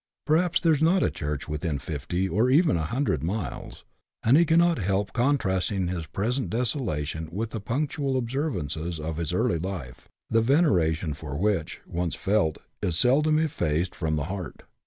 Perhaps there is not a church within fifty, or even a hundred miles ; and he cannot help contrasting his present desolation with the punctual observances of his early life, the veneration for which, once felt, is seldom effaced from the heart.